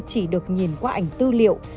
chỉ được nhìn qua ảnh tư liệu